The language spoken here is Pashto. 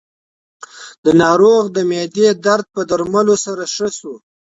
د ناروغ د معدې درد په درملو سره ښه شو.